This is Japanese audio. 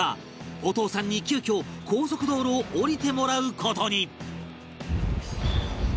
お父さんに急遽高速道路を降りてもらう事に